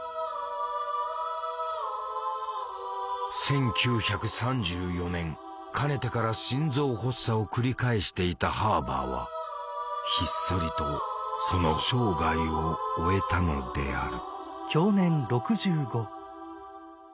１９３４年かねてから心臓発作を繰り返していたハーバーはひっそりとその生涯を終えたのである。